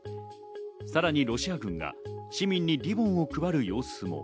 さらにロシア軍が市民にリボンを配る様子も。